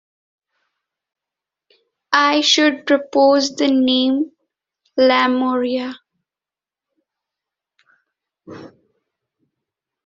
I should propose the name Lemuria!